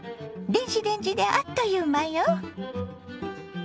電子レンジであっという間よ。